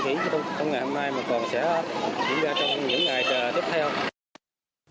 điều công cấp nước sạch cho bà con không chỉ trong ngày hôm nay mà còn sẽ diễn ra trong những ngày tiếp theo